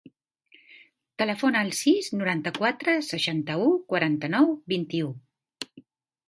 Telefona al sis, noranta-quatre, seixanta-u, quaranta-nou, vint-i-u.